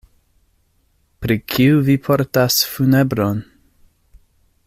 Pri kiu vi portas funebron?